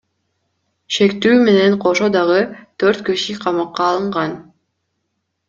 Шектүү менен кошо дагы төрт киши камакка алынган.